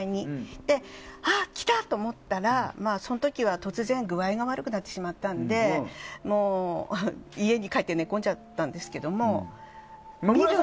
あ、来たって思ったらその時は突然具合が悪くなってしまったので家に帰って寝込んじゃったんですけども。